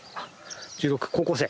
１６高校生？